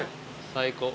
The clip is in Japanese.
最高。